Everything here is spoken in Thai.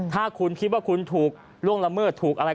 ถ้าคุณคิดว่าคุณถูกล่วงละเมิดถูกอะไร